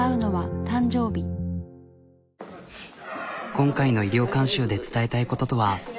今回の医療監修で伝えたいこととは。